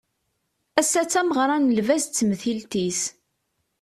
Ass-a d tameɣra n lbaz d temtilt-is